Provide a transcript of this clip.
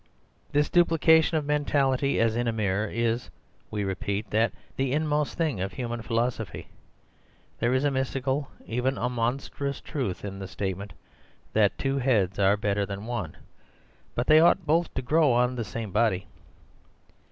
This duplication of mentality, as in a mirror, is (we repeat) the inmost thing of human philosophy. There is a mystical, even a monstrous truth, in the statement that two heads are better than one. But they ought both to grow on the same body."